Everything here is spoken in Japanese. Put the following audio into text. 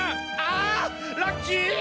あっラッキー！！